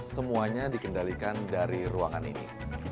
semuanya dikendalikan dari ruangan ini